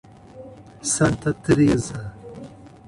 Santa Teresa